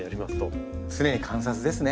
常に観察ですね。